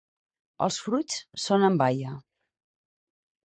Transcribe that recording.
Els fruits són en baia.